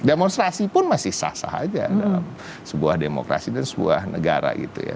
demonstrasi pun masih sah sah aja dalam sebuah demokrasi dan sebuah negara gitu ya